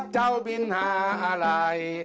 เจ้าบินหาอะไร